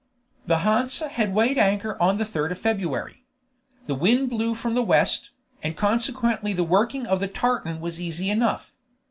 The Hansa had weighed anchor on the 3rd of February. The wind blew from the west, and consequently the working of the tartan was easy enough.